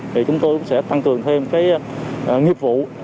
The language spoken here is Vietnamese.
thì chúng tôi cũng sẽ tăng cường thêm cái nghiệp vụ